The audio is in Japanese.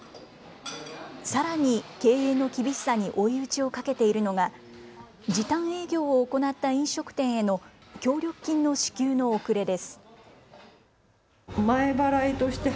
さらに経営の厳しさに追い打ちをかけているのが時短営業を行った飲食店への協力金の支給の遅れです。